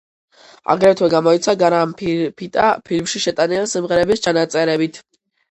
აგრეთვე გამოიცა გრამფირფიტა ფილმში შეტანილი სიმღერების ჩანაწერებით.